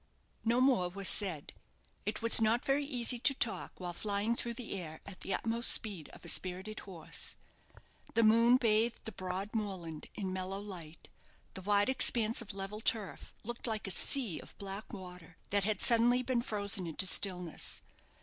No more was said. It was not very easy to talk while flying through the air at the utmost speed of a spirited horse. The moon bathed the broad moorland in mellow light. The wide expanse of level turf looked like a sea of black water that had suddenly been frozen into stillness.